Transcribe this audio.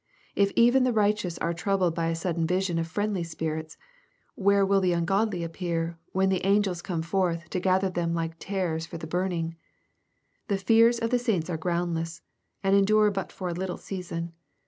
If even the righteous are trou bled by a sudden vision of friendly spirits, where will the ungodly appear, when the angels come forth to gather them like tares for the burning ? The fears of the saints are groundless, and endure but for a little season.